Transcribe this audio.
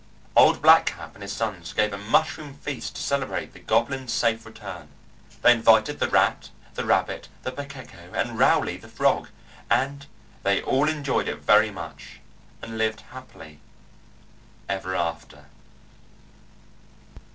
Old Black Cap and his sons gave a mushroom feast to celebrate the goblins' safe return. They invited the rat, the rabbit, the pukeko, and Rowley the frog, and they all enjoyed it very much and lived happily ever after.